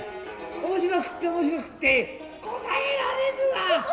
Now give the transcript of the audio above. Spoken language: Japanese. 面白くって面白くってこたえられぬわ。